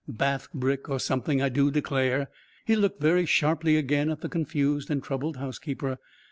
"Bath brick, or something, I do declare." He looked very sharply again at the confused and troubled housekeeper.